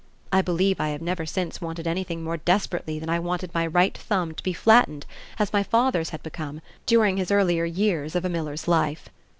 I believe I have never since wanted anything more desperately than I wanted my right thumb to be flattened, as my father's had become, during his earlier years of a miller's life.